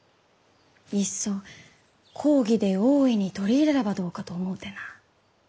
いっそ公儀で大いに取り入れればどうかと思うてな。